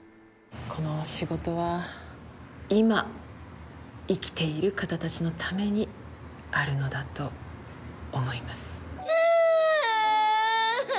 この仕事は今生きている方たちのためにあるのだと思います。